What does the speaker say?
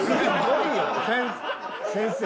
先生